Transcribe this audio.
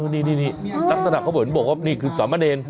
นี่นักศนักครบเหมือนบอกว่านี่คือสามเมอร์เนน